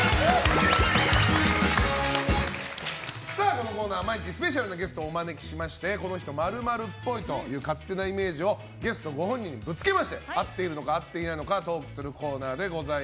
このコーナーは毎日スペシャルなゲストをお招きしてこの人○○っぽいという勝手なイメージをゲストご本人にぶつけまして合ってるのか合っていないのかをトークするコーナーです。